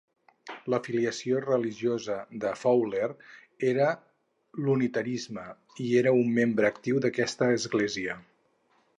L'afiliació religiosa de Fowler era l'unitarisme i era un membre actiu d'aquesta església.